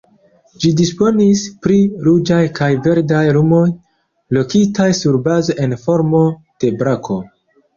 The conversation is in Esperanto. Ĝi disponis pri ruĝaj kaj verdaj lumoj, lokitaj sur bazo en formo de brako.